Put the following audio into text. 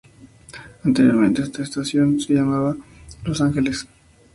Anteriormente esta estación se llamaba "Los Ángeles".